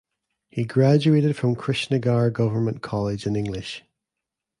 He graduated from Krishnagar Government College in English.